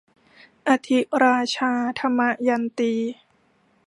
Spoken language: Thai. อธิราชา - ทมยันตี